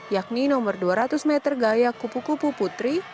yakni nomor dua ratus meter gaya kupu kupu putri